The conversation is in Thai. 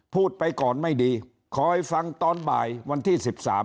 พูดไปก่อนไม่ดีคอยฟังตอนบ่ายวันที่สิบสาม